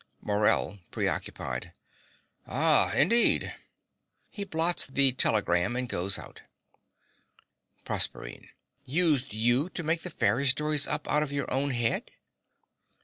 MORELL (preoccupied). Ah, indeed. (He blots the telegram, and goes out.) PROSERPINE. Used you to make the fairy stories up out of your own head?